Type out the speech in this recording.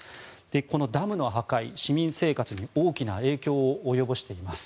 このダムの破壊、市民生活に大きな影響を及ぼしています。